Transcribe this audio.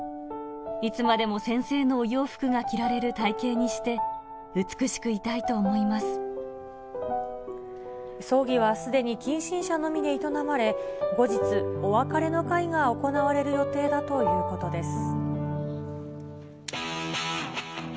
いつまでも先生のお洋服が着られる体形にして、葬儀はすでに近親者のみで営まれ、後日、お別れの会が行われる予定だということです。